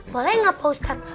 boleh enggak pak ustadz